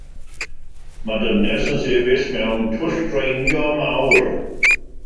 Mae dynes yn sefyll mewn twll draenio mawr.